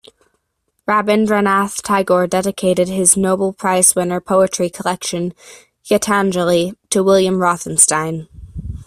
Rabindranath Tagore dedicated his Nobel Prize winner poetry collection "Gitanjali" to William Rothenstein.